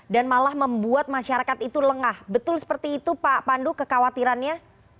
dan malah membuat masyarakat itu lengah betul seperti itu pak pandu kekhawatirannya